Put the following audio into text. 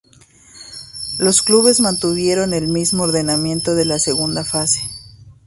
Los clubes mantuvieron el mismo ordenamiento de la segunda fase.